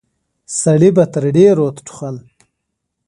سړي به تر ډيرو ټوخل.